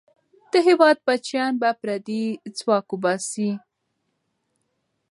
د هېواد بچیان به پردی ځواک وباسي.